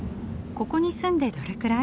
ここに住んでどれくらい？